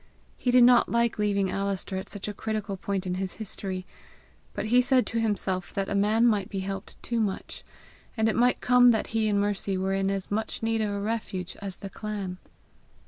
He did not like leaving Alister at such a critical point in his history; but he said to himself that a man might be helped too much; arid it might come that he and Mercy were in as much need of a refuge as the clan.